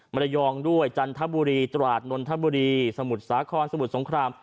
ระยองด้วยจันทบุรีตราดนนทบุรีสมุทรสาครสมุทรสงคราม